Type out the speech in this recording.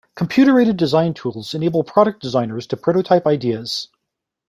Computer-aided design tools enable product designers to prototype ideas.